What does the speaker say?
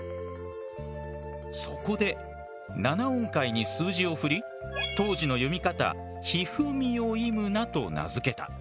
そこで７音階に数字を振り当時の読み方ヒフミヨイムナと名付けた。